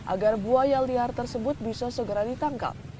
agar buaya liar tersebut bisa segera ditangkap